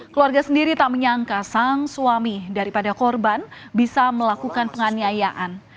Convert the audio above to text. keluarga sendiri tak menyangka sang suami daripada korban bisa melakukan penganiayaan